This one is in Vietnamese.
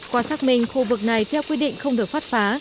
qua xác minh khu vực này theo quy định không được phát phá